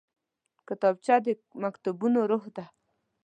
کتابچه د مکتبونو روح ده